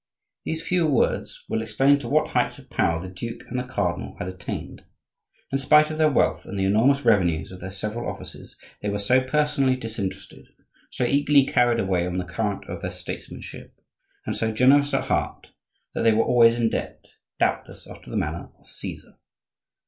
These few words will explain to what heights of power the duke and the cardinal had attained. In spite of their wealth and the enormous revenues of their several offices, they were so personally disinterested, so eagerly carried away on the current of their statesmanship, and so generous at heart, that they were always in debt, doubtless after the manner of Caesar.